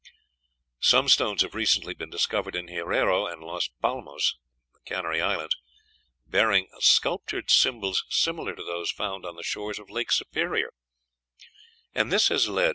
"Some stones have recently been discovered in Hierro and Las Palmas (Canary Islands), bearing sculptured symbols similar to those found on the shores of Lake Superior; and this has led M.